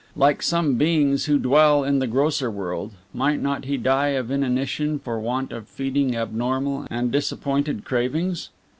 Like some beings who dwell in the grosser world, might not he die of inanition for want of feeding abnormal and disappointed cravings?